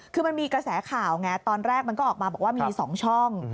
คือมันมีกระแสข่าวไงตอนแรกมันก็ออกมาบอกว่ามี๒ช่อง